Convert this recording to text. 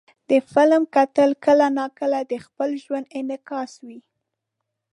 د فلم کتل کله ناکله د خپل ژوند انعکاس وي.